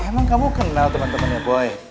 emang kamu kenal temen temennya boy